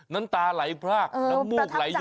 น้ำตาไหลพรากน้ำมูกไหลเยอะ